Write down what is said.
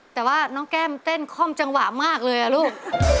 แต่ว่าน้องแก้มเต้นคล่อมจังหวะมากเลยอ่ะลูก